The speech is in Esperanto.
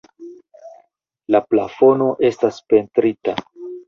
La plafono estas pentrita.